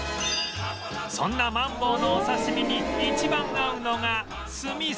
そんなマンボウのお刺し身に一番合うのが酢ミソ